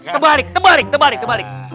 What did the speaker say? terbalik terbalik terbalik terbalik